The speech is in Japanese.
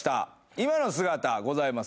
今の姿ございます